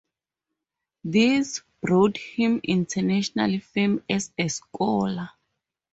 These brought him international fame as a scholar.